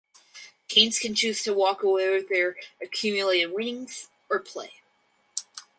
Teams can choose to walk away with their accumulated winnings or play.